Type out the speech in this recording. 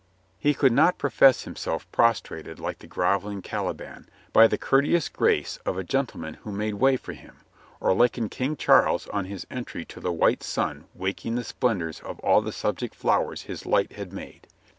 He could not profess himself prostrated like the groveling Caliban by the courteous grace of a gen tleman who made way for him, or liken King Charles on his entry to the white sun waking the splendors of all the subject flowers his light had made.